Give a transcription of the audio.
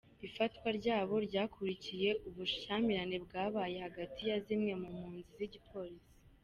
Ifatwa ryabo ryakurikiye ubushyamirane bwabaye hagati ya zimwe mu mpunzi n'igipolisi.